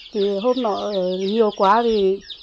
thì hôm nọ nhiều quá thì